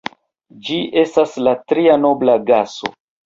Ĝi estas la tria nobla gaso.